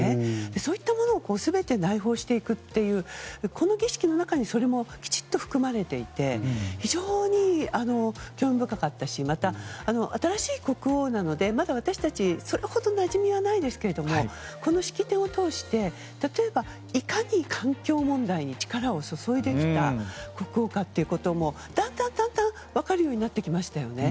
そういったものを全て内包していくというこの儀式の中にそれもきちんと含まれていて非常に興味深かったしまた、新しい国王なのでまだ、私たちそれほどなじみはないですけれどもこの式典を通して例えば、いかに環境問題に力を注いできた国王かっていうこともだんだん分かるようになってきましたよね。